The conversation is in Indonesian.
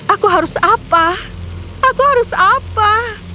aku harus apa aku harus apa